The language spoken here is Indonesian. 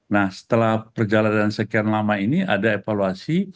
nah setelah perjalanan sekian lama ini ada evaluasi